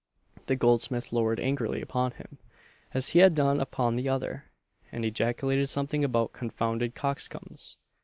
The goldsmith lowered angrily upon him, as he had done upon the other, and ejaculated something about "confounded coxcombs."